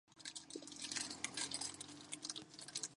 No consiguió marcar y Alemania fue eliminada en fase de grupos.